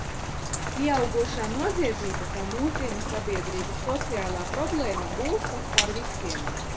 Pieaugošā noziedzība kā mūsdienu sabiedrības sociālā problēma gulstas pār visiem.